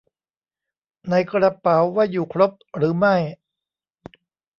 ในกระเป๋าว่าอยู่ครบหรือไม่